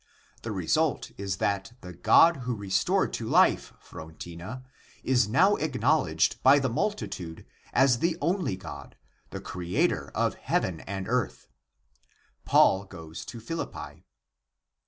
The result is that the God who restored to life Phrontina, is now acknowledged by the multitude as the only God, the creator of heaven and earth. Paul goes to Philippi.